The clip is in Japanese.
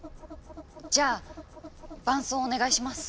じゃあ伴奏お願いします。